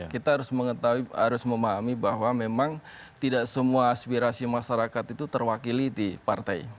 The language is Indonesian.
kita harus memahami bahwa memang tidak semua aspirasi masyarakat itu terwakili di partai